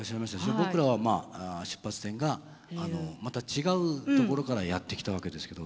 僕らはまあ出発点がまた違う所からやって来たわけですけども。